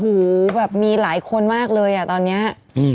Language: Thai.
เจ้าฮูมีหลายคนมากเลยอ่ะตอนเนี้ย